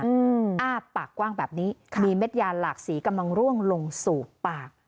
อืมอ้าปากกว้างแบบนี้ค่ะมีเม็ดยาหลากสีกำลังร่วงลงสู่ปาก